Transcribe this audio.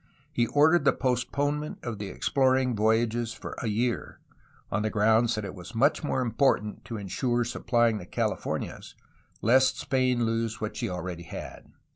He ordered the post ponement of the exploring voyages for a year, on the ground that it was much more important to ensure supplying the Californias, lest Spain lose what she already had.